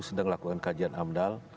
sedang lakukan kajian amdal